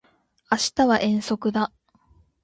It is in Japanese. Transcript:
明日は遠足だ